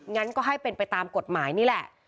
งั้นก็ให้เป็นไปตามกฎหมายนี่แหละ